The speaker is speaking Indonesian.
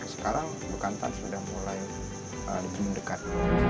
sekarang bekantan sudah mulai lebih mendekat